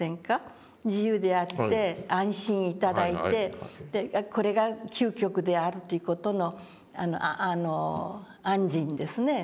自由であって安心頂いてこれが究極であるという事の安心ですね。